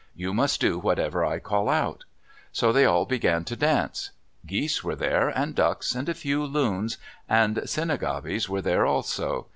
You must do whatever I call out." So they all began to dance. Geese were there and ducks and a few loons, and Cyngabis was there also.